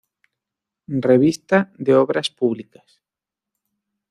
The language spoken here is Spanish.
Revista de Obras Públicas.